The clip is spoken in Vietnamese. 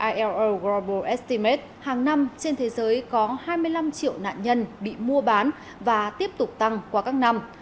ilo global estimate hàng năm trên thế giới có hai mươi năm triệu nạn nhân bị mua bán và tiếp tục tăng qua các năm